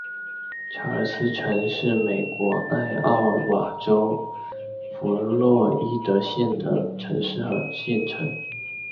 查尔斯城是美国艾奥瓦州弗洛伊德县的城市和县城。